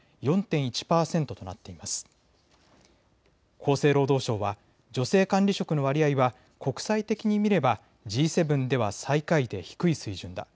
厚生労働省は女性管理職の割合は国際的に見ればＧ７では最下位で低い水準だ。